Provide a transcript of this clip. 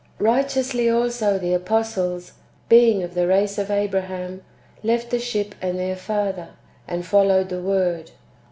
4. Righteously also the apostles, being of the race of Abra ham, left the ship and their father, and followed the AYord.